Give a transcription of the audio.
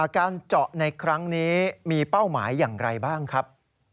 การเจาะในครั้งนี้มีเป้าหมายอย่างไรบ้างครับ